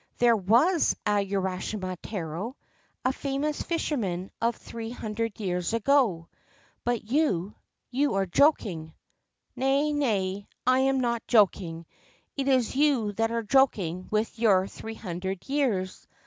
'There was a Urashima Taro, a famous fisherman of three hundred years ago, but you you are joking.' ' Nay, nay, I am not joking. It is you that are joking with your three hundred years.